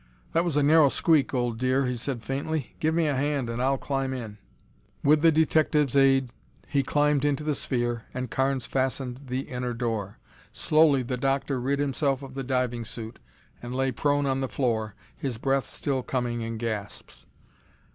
"That was a narrow squeak, old dear," he said faintly. "Give me a hand and I'll climb in." With the detective's aid he climbed into the sphere and Carnes fastened the inner door. Slowly the Doctor rid himself of the diving suit and lay prone on the floor, his breath still coming in gasps.